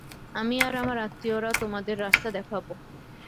আমি আর আমার আত্মীয়রা তোমাদের রাস্তা দেখাবো।